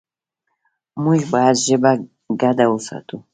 موږ باید ژبه ګډه وساتو.